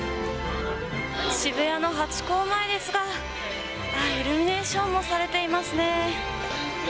渋谷のハチ公前ですが、イルミネーションもされていますね。